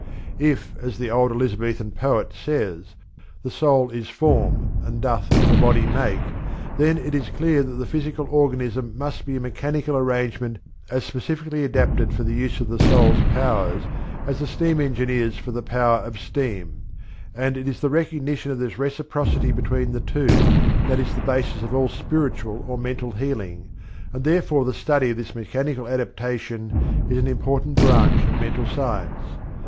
If, as the old Elizabethan poet says, "the soul is form, and doth the body make," then it is clear that the physical organism must be a mechanical arrangement as specially adapted for the use of the soul's powers as a steam engine is for the power of steam; and it is the recognition of this reciprocity between the two that is the basis of all spiritual or mental healing, and therefore the study of this mechanical adaptation is an important branch of Mental Science.